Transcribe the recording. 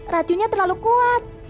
racunnya terlalu kuat